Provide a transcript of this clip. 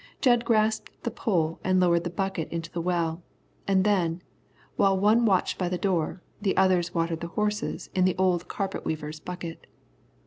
Jud grasped the pole and lowered the bucket into the well, and then, while one watched by the door, the others watered the horses in the old carpet weaver's bucket.